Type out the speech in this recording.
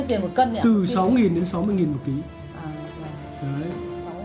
giá từ sáu đến sáu mươi đồng một kg